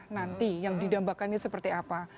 nanti yang didambakannya seperti apa